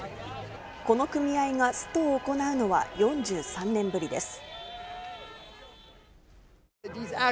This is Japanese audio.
この組合がストを行うのは４３年ぶりです。